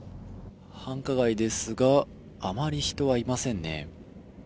繁華街ですが、あまり人はいませんね。